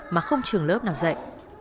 mà không trường lớp nào dạy